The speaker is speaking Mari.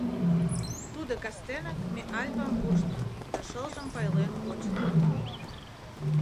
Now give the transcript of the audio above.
Тудо кастенак ме Альпам пуштна да шылжым пайлен кочна.